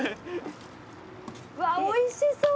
うわっおいしそう！